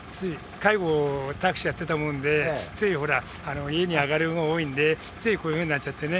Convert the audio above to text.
介護タクシーやってたもんでついほら家に上がること多いんでついこういうふうになっちゃってね。